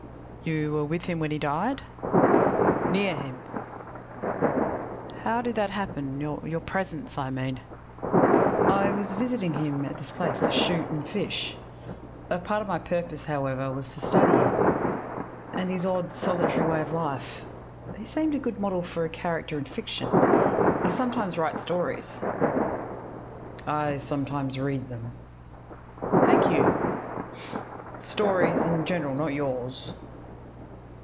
"You were with him when he died?" "Near him." "How did that happen your presence, I mean?" "I was visiting him at this place to shoot and fish. A part of my purpose, however, was to study him, and his odd, solitary way of life. He seemed a good model for a character in fiction. I sometimes write stories." "I sometimes read them." "Thank you." "Stories in general not yours."